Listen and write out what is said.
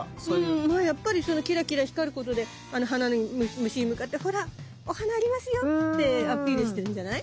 まあやっぱりそのキラキラ光ることで虫に向かって「ほら！お花ありますよ」ってアピールしてるんじゃない？